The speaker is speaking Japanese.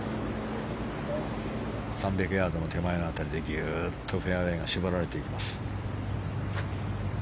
３００ヤードの手前辺りでぎゅっとフェアウェーが絞られていきます。